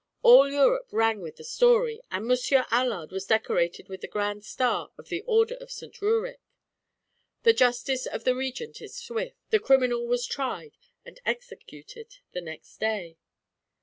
All Europe rang with the story, and Monsieur Allard was decorated with the Grand Star of the Order of St. Rurik. The justice of the Regent is swift; the criminal was tried and executed the next day."